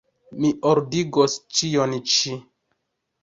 Mi ordigos ĉion ĉi.